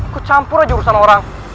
aku campur aja urusan orang